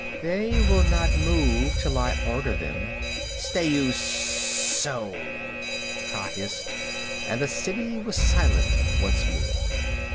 "They will not move till I order them. Stay you sssso!" Kaa hissed, and the city was silent once more.